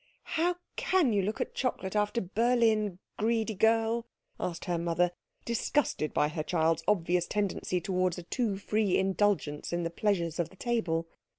"How can you look at chocolate after Berlin, greedy girl?" asked her mother, disgusted by her child's obvious tendency towards a too free indulgence in the pleasures of the table.